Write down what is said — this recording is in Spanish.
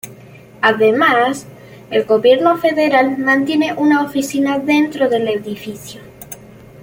Además, el Gobierno Federal mantiene una oficina dentro del edificio.